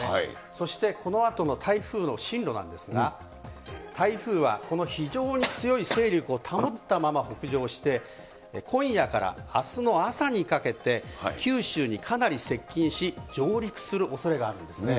そしてこのあとの台風の進路なんですが、台風はこの非常に強い勢力を保ったまま北上して、今夜からあすの朝にかけて、九州にかなり接近し、上陸するおそれがあるんですね。